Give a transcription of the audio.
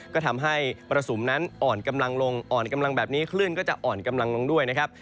ก็ทำให้มรสุมนั้นอ่อนกำลังลงอ่อนกำลังแบบนี้คลื่นก็จะอ่อนกำลังลงด้วยนะครับ